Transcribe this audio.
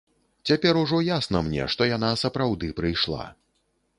Цяпер ужо ясна мне, што яна сапраўды прыйшла.